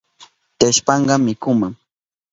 Tiyashpanka mikuma